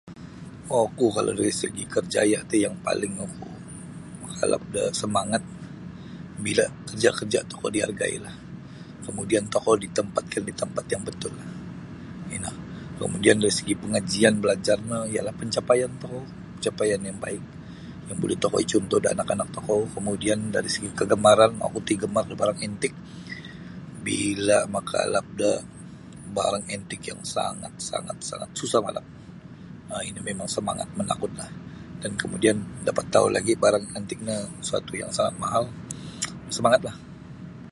Oku kalau dari segi' kerjaya ti yang paling oku makalap da samangat bila kerja'-kerja' tokou dihargailah kemudian tokou ditempatkan di tempat yang betul ino kemudian dari segi pangajian balajar no ialah pancapaian tokou pancapaian yang baik yang buli tokou icuntuh da anak-anak tokou kamudian dari segi kagamaran oku ti gemar da barang entik bila makaalap da barang entik yang sangat-sangat susah makaalap um ino mimang samangat manakudlah dan kamudian dapat tau' lagi' barang antik no sesuatu' yang sangat mahal samangatlah.